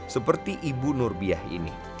seperti ibu nurbiah ini